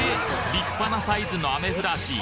立派なサイズのアメフラシ！